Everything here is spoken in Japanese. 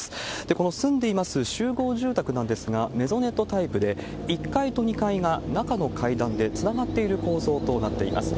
この住んでいます集合住宅なんですが、メゾネットタイプで、１階と２階が中の階段でつながっている構造となっています。